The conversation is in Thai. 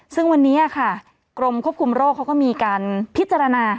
ซึ่งวันนี้ค่ะกรมควบคุมโรคเขาก็มีการพิจารณา